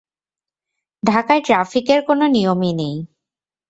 ঢাকায় ট্রাফিকের কোনো নিয়মই নেই।